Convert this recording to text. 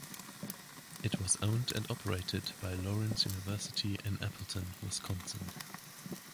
It was owned and operated by Lawrence University in Appleton, Wisconsin.